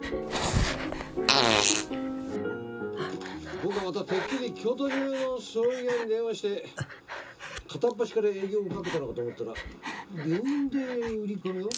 僕はまたてっきり京都中の葬儀屋に電話して片っ端から営業をかけたのかと思ったら病院で売り込みを？